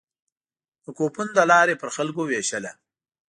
د کوپون له لارې پر خلکو وېشله.